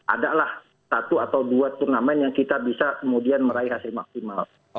adalah satu atau dua turnamen yang kita bisa kemudian meraih hasil maksimal